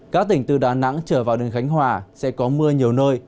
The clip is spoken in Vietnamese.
các tỉnh từ đà nẵng trở vào đến khánh hòa sẽ có mưa nhiều nơi